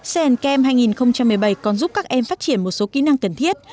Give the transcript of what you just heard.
science camp hai nghìn một mươi bảy còn giúp các em phát triển một số kỹ năng cần thiết